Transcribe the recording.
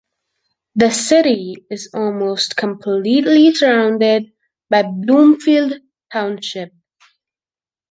The city is almost completely surrounded by Bloomfield Township.